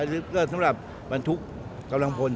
เอ่อขนาดลิคเลี่ยนสำหรับวันทุกข์กำลังพล